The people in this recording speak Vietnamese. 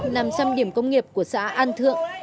nằm trong điểm công nghiệp của xã an thượng